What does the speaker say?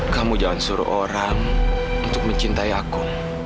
kamu jangan suruh orang untuk mencintai aku